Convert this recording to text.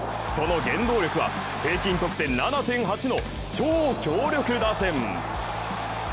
その原動力は、平均得点７．８の超強力打線。